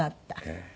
ええ。